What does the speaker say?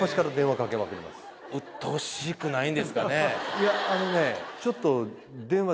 いやあのねちょっと。